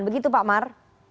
begitu pak mar